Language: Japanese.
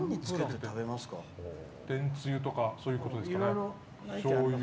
天つゆとかそういうことですか。